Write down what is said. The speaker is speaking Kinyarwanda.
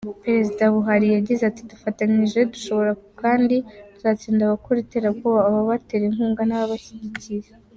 Perezida Buhari yagize ati “Dufatanyije, dushobora kandi tuzatsinda abakora iterabwoba, ababatera inkunga n’ababashyigikiye.